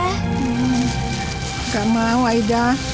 hmm nggak mau aida